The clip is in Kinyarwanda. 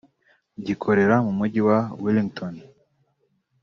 gikorera mu mujyi wa Wellington